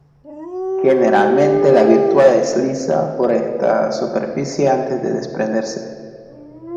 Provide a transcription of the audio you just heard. Generalmente la viruta desliza por esta superficie antes de desprenderse.